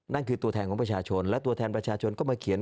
นั่นคือตัวแทนของประชาชนและตัวแทนประชาชนก็มาเขียน